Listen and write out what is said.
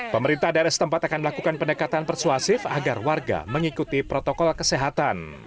pemerintah daerah setempat akan melakukan pendekatan persuasif agar warga mengikuti protokol kesehatan